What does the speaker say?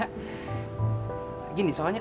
gini soalnya kalau kalau orang paham